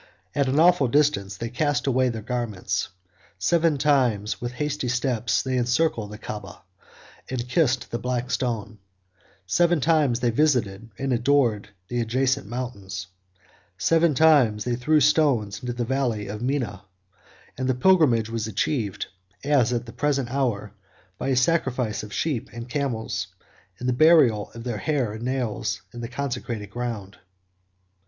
At an awful distance they cast away their garments: seven times, with hasty steps, they encircled the Caaba, and kissed the black stone: seven times they visited and adored the adjacent mountains; seven times they threw stones into the valley of Mina; and the pilgrimage was achieved, as at the present hour, by a sacrifice of sheep and camels, and the burial of their hair and nails in the consecrated ground.